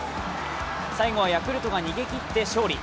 最後はヤクルトが逃げ切って勝利。